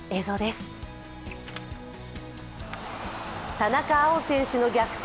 田中碧選手の逆転